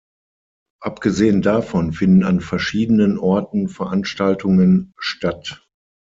Abgesehen davon finden an verschiedenen Orten Veranstaltungen statt.